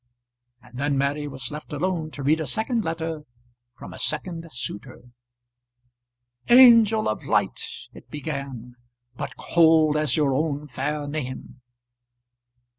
And then Mary was left alone to read a second letter from a second suitor. "Angel of light!" it began, "but cold as your own fair name."